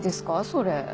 それ。